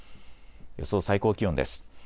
予想最高気温です。